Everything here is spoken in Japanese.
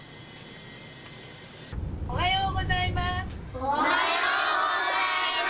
おはようございます。